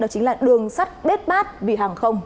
đó chính là đường sắt bết bát vì hàng không